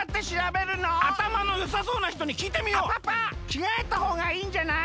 きがえたほうがいいんじゃない？